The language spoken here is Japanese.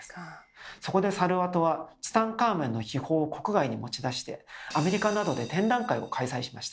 そこでサルワトはツタンカーメンの秘宝を国外に持ち出してアメリカなどで展覧会を開催しました。